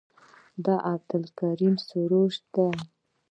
دا عبدالکریم سروش ده.